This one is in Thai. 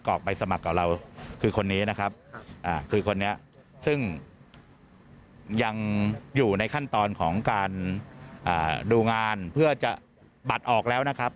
คือคนนี้ซึ่งยังอยู่ในขั้นตอนของการดูงานเพื่อจะบัดออกแล้วนะครับ